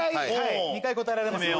２回答えられますので。